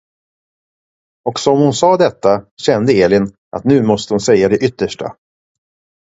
Och som hon sade detta, kände Elin, att nu måste hon säga det yttersta.